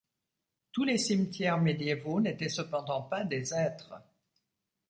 Tous les cimetières médiévaux n'étaient cependant pas des aîtres.